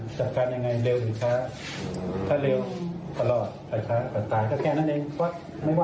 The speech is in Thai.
ไม่ว่าเราจะอยู่ตรงไหนก็ตายอยู่นี้ขอบคุณพวกเขานะครับ